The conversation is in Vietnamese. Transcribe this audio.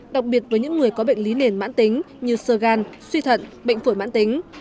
đặc biệt với những người có bệnh lý nền mãn tính như sơ gan suy thận bệnh phổi mãn tính